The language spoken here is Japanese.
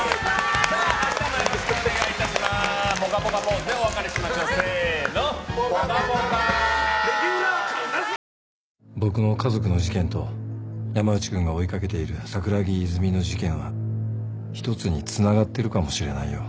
親子でいらっしゃるということで僕の家族の事件と山内君が追い掛けている桜木泉の事件は一つにつながってるかもしれないよ。